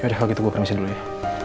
yaudah kalau gitu gue permisi dulu ya